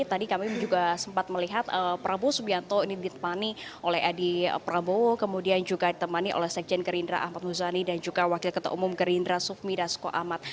tadi kami juga sempat melihat prabowo subianto ini ditemani oleh adi prabowo kemudian juga ditemani oleh sekjen gerindra ahmad muzani dan juga wakil ketua umum gerindra sufmi dasko ahmad